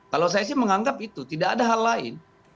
kalau saya sih menganggap itu tidak ada hal lain